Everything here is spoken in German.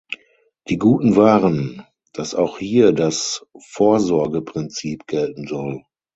Die guten waren, dass auch hier das Vorsorgeprinzip gelten soll.